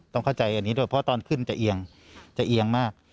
ต้องเข้าใจอันนี้ด้วยเพราะตอนขึ้นจะเอียงจะเอียงมาก